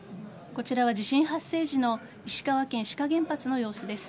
こちらは地震発生時の石川県志賀原発の様子です。